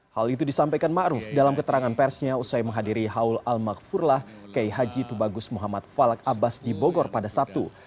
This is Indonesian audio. hal itu disampaikan ma'ruf dalam keterangan persnya usai menghadiri haul al maghfurlah k h t m f a di bogor pada sabtu